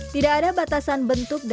tidak ada batasan bentuknya